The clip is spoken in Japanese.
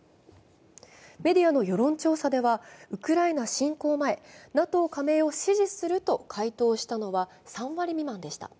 メディアの世論調査ではウクライナ侵攻前、ＮＡＴＯ加盟を支持すると回答したのは３割未満でした。